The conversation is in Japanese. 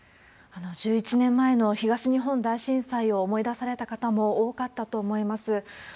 １１年前の東日本大震災を思い出された方も多かったと思います。